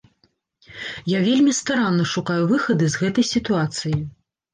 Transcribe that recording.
Я вельмі старанна шукаю выхады з гэтай сітуацыі.